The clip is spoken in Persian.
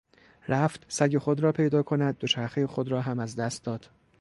رفت سگ خود را پیدا کند دوچرخه خود را هم از دست داد.